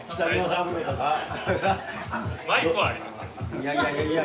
いやいやいやいや。